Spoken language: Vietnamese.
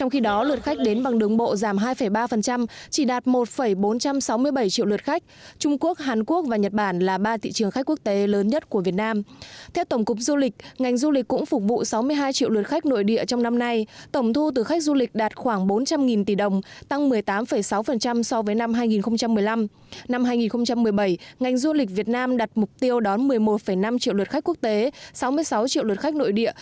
tổng thu từ khách du lịch của hà nội đạt trên sáu mươi hai tỷ đồng tăng một mươi ba so với năm trước